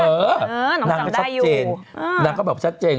เออน้องตอบได้อยู่น้องก็แบบชัดเจน